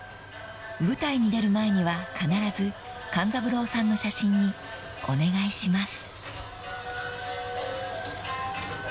［舞台に出る前には必ず勘三郎さんの写真にお願いします］